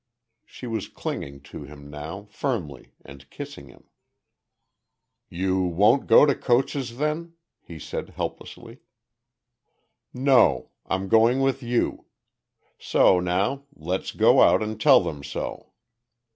She was clinging to him now, firmly, and kissing him. "You won't go to Coates' then?" he said helplessly. "No. I'm going with you. So now, let's go out and tell them so."